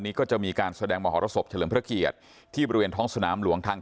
ไม่อยากให้เขาได้เห็นศาสตร์พฤทธิการต่าง